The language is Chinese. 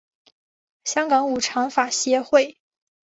香港五常法协会